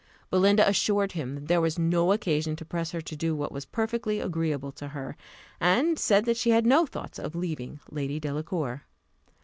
Belinda assured him that there was no occasion to press her to do what was perfectly agreeable to her, and said that she had no thoughts of leaving Lady Delacour.